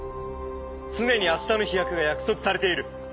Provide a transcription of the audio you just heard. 常に明日の飛躍が約束されている！